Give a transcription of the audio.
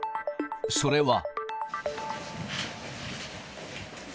それは。